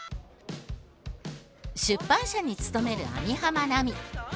出版社に勤める網浜奈美。